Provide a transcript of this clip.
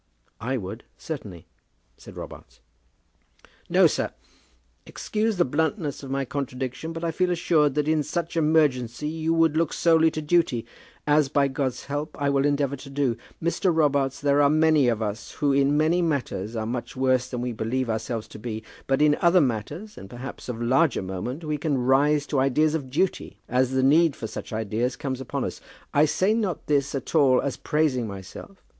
"I would, certainly," said Robarts. "No, sir! Excuse the bluntness of my contradiction, but I feel assured that in such emergency you would look solely to duty, as by God's help, I will endeavour to do. Mr. Robarts, there are many of us who in many things, are much worse than we believe ourselves to be. But in other matters, and perhaps of larger moment, we can rise to ideas of duty as the need for such ideas comes upon us. I say not this at all as praising myself.